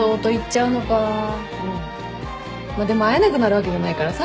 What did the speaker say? でも会えなくなるわけじゃないからさ。